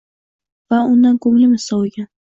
va... undan ko‘nglimiz sovigan.